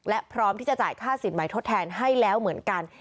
และพร้อมที่จะจ่ายค่าสินใหม่ทดแทนให้แล้วเหมือนกัน